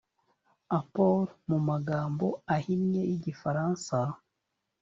appor mu magambo ahinnye y igifaransa